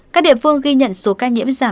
các địa phương ghi nhận số ca nhiễm